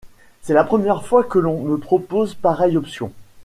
C’est la première fois que l’on me propose pareille option.